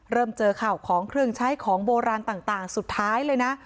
เริ่มเจอข่าวของเครื่องใช้ของโบราณต่างสุดท้ายเลยนะ